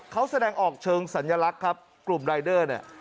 เขาแสดงออกเชิงสัญลักษณ์ครับกลุ่มรายเดอร์เนี่ย